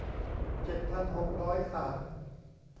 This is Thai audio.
เจ็ดพันหกร้อยสาม